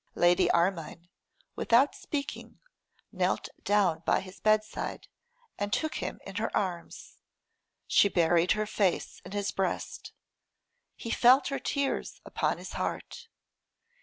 Lady Armine, without speaking, knelt down by his bedside and took him in her arms. She buried her face in his breast. He felt her tears upon his heart.